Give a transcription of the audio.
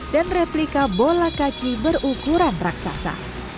dan replika bola kaki berukuran raksasa